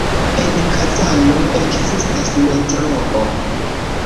En Kazano ekzistas metroo.